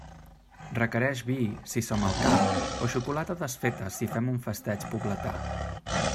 Requereix vi si som al camp, o xocolata desfeta si fem un festeig pobletà.